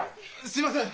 すみません！